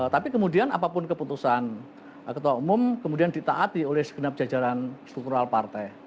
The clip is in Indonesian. tapi kemudian apapun keputusan ketua umum kemudian ditaati oleh segenap jajaran struktural partai